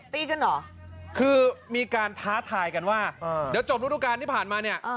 ตีกันเหรอคือมีการท้าทายกันว่าเดี๋ยวจบรูดูการที่ผ่านมาเนี่ย